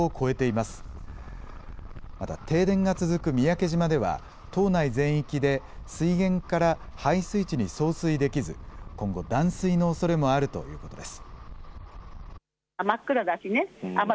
また停電が続く三宅島では、島内全域で、水源から配水池に送水できず、今後、断水のおそれもあるということです。